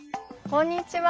こんにちは。